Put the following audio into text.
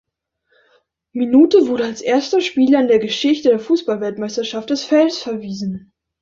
Minute wurde als erster Spieler in der Geschichte der Fußballweltmeisterschaft des Feldes verwiesen.